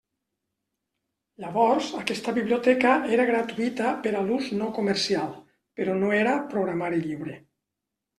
Llavors, aquesta biblioteca era gratuïta per a l'ús no comercial, però no era programari lliure.